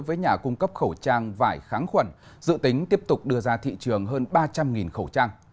với nhà cung cấp khẩu trang vải kháng khuẩn dự tính tiếp tục đưa ra thị trường hơn ba trăm linh khẩu trang